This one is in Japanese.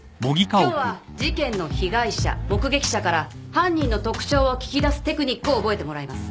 今日は事件の被害者目撃者から犯人の特徴を聞き出すテクニックを覚えてもらいます。